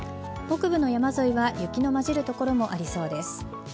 北部の山沿いは雪の混じる所もありそうです。